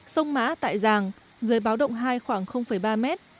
sông má tại giàng rơi báo động hai khoảng ba mét